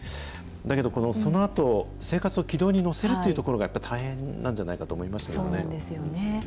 だけど、そのあと、生活を軌道に乗せるというところがやっぱり大変なんじゃないかとそうなんですよね。